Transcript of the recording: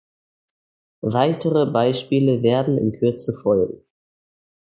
Weitere Beispiele werden in Kürze folgen.